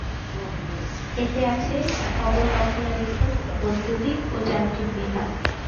এতে আছে: ভবন রক্ষণাবেক্ষণ, বৈদ্যুতিক ও যান্ত্রিক বিভাগ।